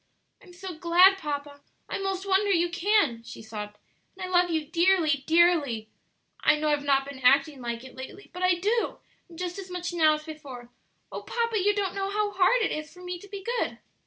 "I'm so glad, papa; I 'most wonder you can," she sobbed; "and I love you dearly, dearly; I know I've not been acting like it lately, but I do, and just as much now as before. Oh, papa, you don't know how hard it is for me to be good!"